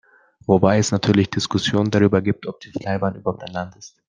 Wobei es natürlich Diskussionen darüber gibt, ob Taiwan überhaupt ein Land ist.